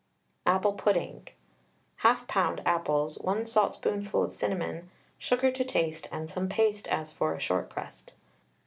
APPLE PUDDING. 1/2 lb. apples, 1 saltspoonful of cinnamon, sugar to taste, and some paste as for a short crust.